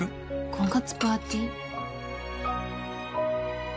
婚活パーティー？